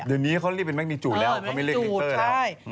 เดี๋ยวนี้เขาเรียกเป็นแก๊นิจูแล้วเขาไม่เรียกลิงเตอร์แล้ว